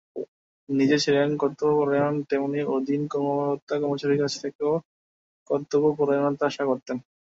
নিজে ছিলেন কর্তব্যপরায়ণ, তেমনি অধীন কর্মকর্তা-কর্মচারীদের কাছ থেকেও কর্তব্যপরায়ণতা আশা করতেন।